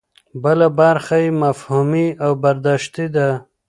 بله برخه یې مفهومي او برداشتي ده.